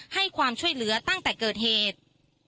ให้ความช่วยเหลือตั้งแต่เกิดเหตุ